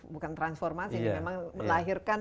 bukan transformasi memang melahirkan